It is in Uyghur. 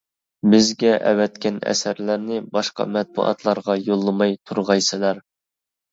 بىزگە ئەۋەتكەن ئەسەرلەرنى باشقا مەتبۇئاتلارغا يوللىماي تۇرغايسىلەر.